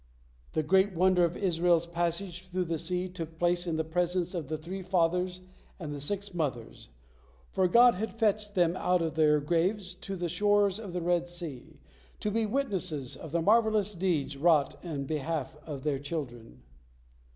The great wonder of Israel's passage through the sea took place in the presence of the three Fathers and the six Mothers, for God had fetched them out of their graves to the shores of the Red Sea, to be witnesses of the marvelous deeds wrought in behalf of their children.